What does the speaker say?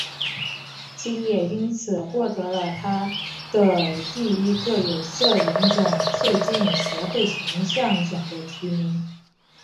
金也因此获得了她的第一个有色人种促进协会形象奖的提名。